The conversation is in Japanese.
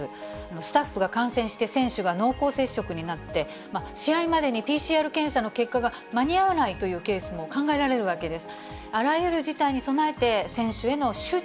スタッフが感染して、選手が濃厚接触になって、試合までにＰＣＲ検査の結果が間に合わないというケースも考えられるわけです。